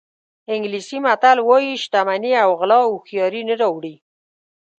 انګلیسي متل وایي شتمني او غلا هوښیاري نه راوړي.